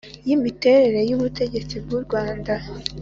y imiterere y ubutegetsi bw’ u Rwanda